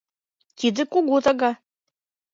Тиде кугу тага.